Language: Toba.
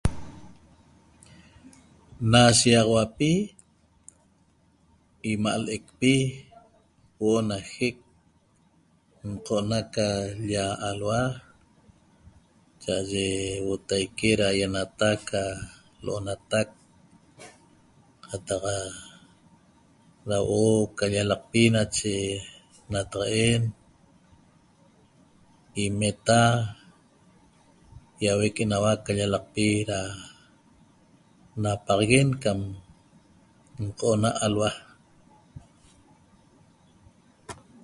Na shiaxauapi imaa' leqpi huoo' na jeq n'cona ca l'lia l'huaa chaaye ihutaque ca lenteq cataxa da huoo ca llalaqpi nache nataqaen imeta iahuec nahua llalaqpi da napaxaguen ca nocoo'na alua'